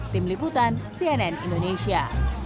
tim liputan cnn indonesia